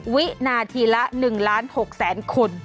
วินาทีละ๑ล้าน๖แสนคน